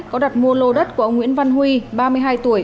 có đặt mua lô đất của ông nguyễn văn huy ba mươi hai tuổi